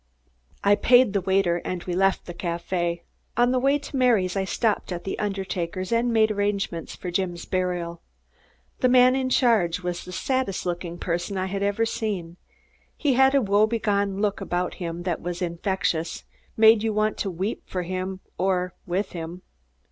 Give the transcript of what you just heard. I paid the waiter and we left the café. On the way to Mary's I stopped at the undertaker's and made arrangements for Jim's burial. The man in charge was the saddest looking person I have ever seen. He had a woebegone look about him that was infectious made you want to weep for him or with him.